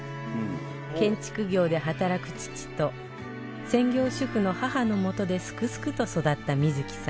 建築業で働く父と専業主婦の母のもとですくすくと育った瑞季さん